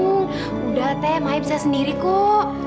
udah tete mai bisa sendiri kuk